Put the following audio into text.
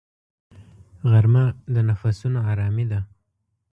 غرمه د نفسونو آرامي ده